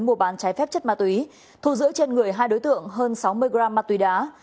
mua bán trái phép chất ma túy thu giữ trên người hai đối tượng hơn sáu mươi gram ma túy đá